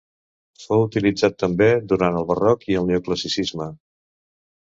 Fou utilitzat també durant el barroc i el neoclassicisme.